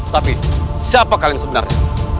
tapi siapa kalian sebenarnya